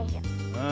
うん。